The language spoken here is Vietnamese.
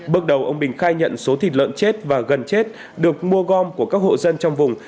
bước đầu ông bình khai nhận số thịt lợn chết và gần chết được mua gom của các hộ dân trong vùng